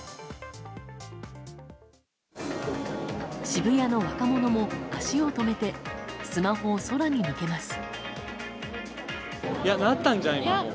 渋谷の若者も足を止めてスマホを空に向けます。